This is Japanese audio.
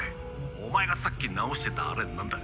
お前がさっき直してたあれなんだ？